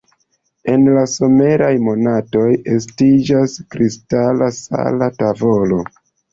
En la someraj monatoj estiĝas kristala sala tavolo.